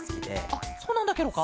あっそうなんだケロか？